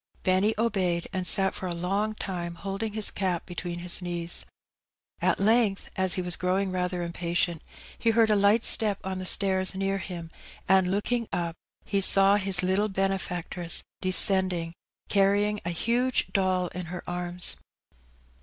Benny obeyed, and sat for a long time holding his cap between his knees. At length, as he was growing rather impatient, he heard a light step on the stairs near him, and, looking up, he saw his Uttle benefactress descending, carry ing a huge doll in her arms.